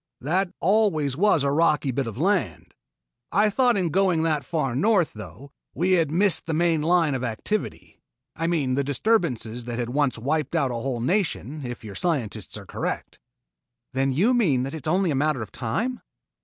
That always was a rocky bit of land. I thought in going that far north, though, that we had missed the main line of activity; I mean the disturbances that had once wiped out a whole nation, if your scientists are correct." "Then you mean that it is only a matter of time?"